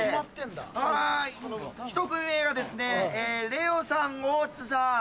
はい１組目がですねレオさん大津さん。